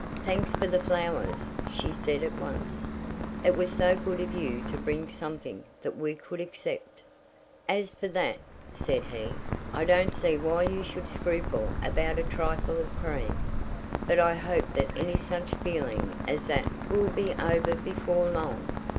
"Thanks for the flowers," she said at once. "It was so good of you to bring something that we could accept." "As for that," said he, "I don't see why you should scruple about a trifle of cream, but I hope that any such feeling as that will be over before long."